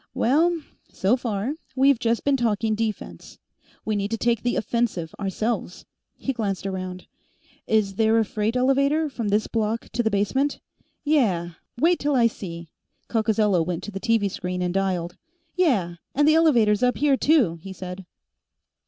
"Well, so far, we've just been talking defense. We need to take the offensive, ourselves." He glanced around. "Is there a freight elevator from this block to the basement?" "Yeah. Wait till I see." Coccozello went to the TV screen and dialed. "Yeah, and the elevator's up here, too," he said.